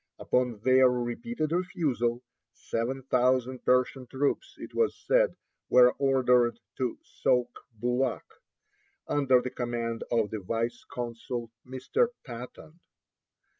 Upon their repeated refusal, seven thousand Persian troops, it was said, were ordered to Soak Boulak, under the command of the vice consul, Mr. Patton.